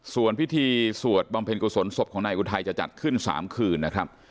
ส่วนพิธีสวดบำเพ็ญกุศลศพของนายอุทัยจะจัดขึ้น๓คืนนะครับ